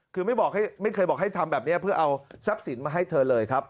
คือไม่เคยบอกให้ทำแบบนี้เพื่อเอาทรัพย์สินมาให้เธอเลยครับ